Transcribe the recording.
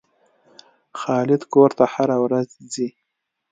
خالد کور ته هره ورځ ځي.